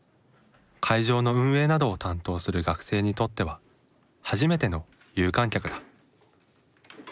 会場の運営などを担当する学生にとっては初めての有観客だ。